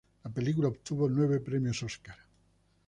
La película obtuvo nueve premios Óscar.